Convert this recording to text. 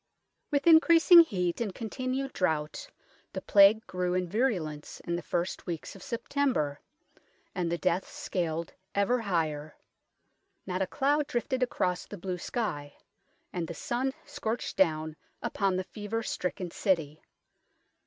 With increasing heat and continued drought, the Plague grew in virulence in the first weeks of September, and the deaths scaled ever higher. Not a cloud drifted across the blue sky, and the sun scorched down upon the fever stricken city.